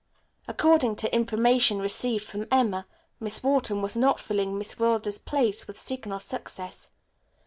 According to information received from Emma, Miss Wharton was not filling Miss Wilder's place with signal success.